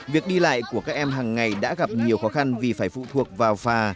việc đi lại của các em hàng ngày đã gặp nhiều khó khăn vì phải phụ thuộc vào phà